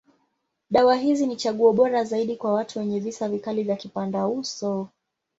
Dawa hizi ni chaguo bora zaidi kwa watu wenye visa vikali ya kipandauso.